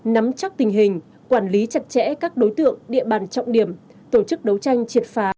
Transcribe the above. nắm chắc tình hình quản lý chặt chẽ các đối tượng địa bàn trọng điểm tổ chức đấu tranh triệt phá